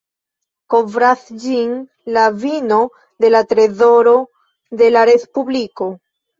Kovras ĝin la vino de la trezoro de la respubliko.